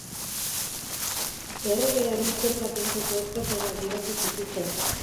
Erregeari zerga kentzeko eskatzera gidatu zituzten.